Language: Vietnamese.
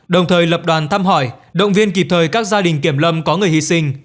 đồng thời lập đoàn thăm hỏi động viên kịp thời các gia đình kiểm lâm có người hy sinh